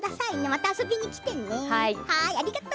また遊びに来てね。